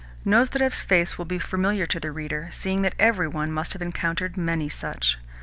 Nozdrev's face will be familiar to the reader, seeing that every one must have encountered many such.